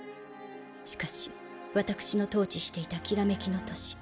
しかし私の統治していた煌めきの都市